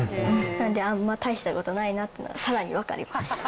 なんであんま大したことないなってのがさらに分かりました。